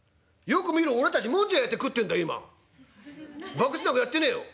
博打なんかやってねえよ」。